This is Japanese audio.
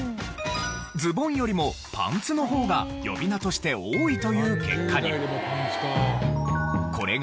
ズボンよりもパンツの方が呼び名として多いという結果に。